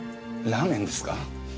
ラーメンですか？